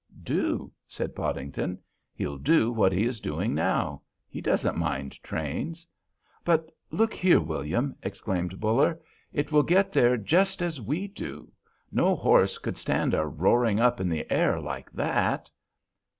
"Do?" said Podington; "he'll do what he is doing now; he doesn't mind trains." "But look here, William," exclaimed Buller, "it will get there just as we do; no horse could stand a roaring up in the air like that!"